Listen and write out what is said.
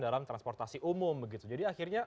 dalam transportasi umum begitu jadi akhirnya